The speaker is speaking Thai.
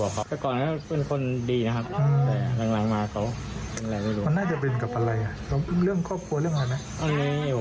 อันนี้ผมไม่ทราบเพราะว่าค่อยได้อยู่ด้วยกัน